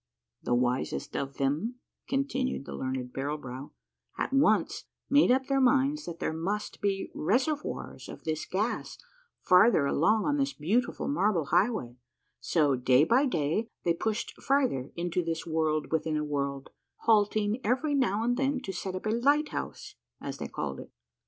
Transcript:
" The wisest of them," continued the learned Barrel Brow, " at once made up their minds that there must be reservoirs of this gas farther along on this beautiful Marble HighAvay, so, day by day, they pushed farther into this World Avithin a World, halting every noAv and then to set up a lighthouse as they called it.